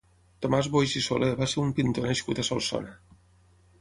Tomàs Boix i Soler va ser un pintor nascut a Solsona.